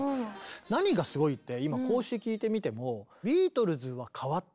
何がすごいって今こうして聴いてみてもあ分かる。